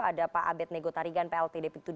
ada pak abed nego tarigan plt deputu ii ksp